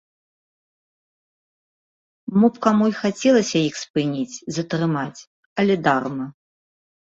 Мо б каму й хацелася іх спыніць, затрымаць, але дарма!